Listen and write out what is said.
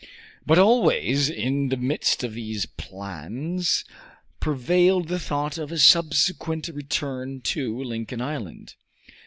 But always, in the midst of these plans, prevailed the thought of a subsequent return to Lincoln Island.